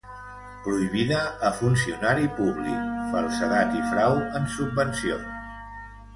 Prohibida a funcionari públic, falsedat i frau en subvencions.